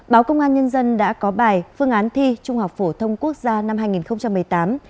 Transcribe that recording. báo công an nhân dân đã có bài phương án thi trung học phổ thông quốc gia năm hai nghìn một mươi tám